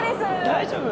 大丈夫？